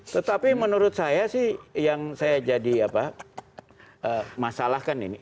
tetapi menurut saya sih yang saya jadi masalahkan ini